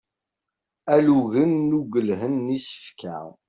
Alugen n uwgelhen n isefka.